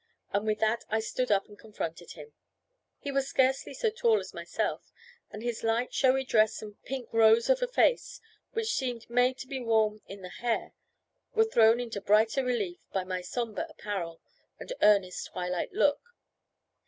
And with that I stood up and confronted him. He was scarcely so tall as myself, and his light showy dress and pink rose of a face, which seemed made to be worn in the hair, were thrown into brighter relief by my sombre apparel and earnest twilight look.